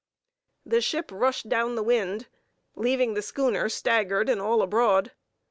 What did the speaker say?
The ship rushed down the wind, leaving the schooner staggered and all abroad.